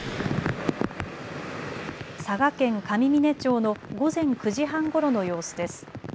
佐賀県上峰町の午前９時半ごろの様子です。